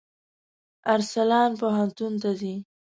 ارسلان پوهنتون ته ځي.